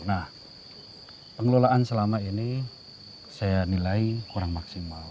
nah pengelolaan selama ini saya nilai kurang maksimal